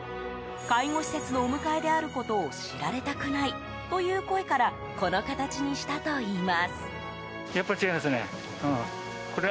介護施設のお迎えであることを知られたくないという声からこの形にしたといいます。